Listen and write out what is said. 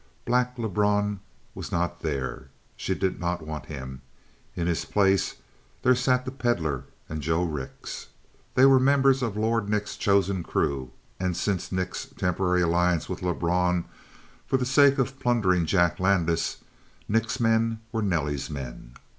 Black Lebrun was not there. She did not want him. In his place there sat the Pedlar and Joe Rix; they were members of Lord Nick's chosen crew, and since Nick's temporary alliance with Lebrun for the sake of plundering Jack Landis, Nick's men were Nelly's men.